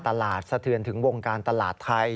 สะเทือนถึงวงการตลาดไทย